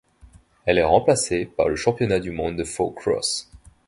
Elle est remplacée par le championnat du monde de four-cross.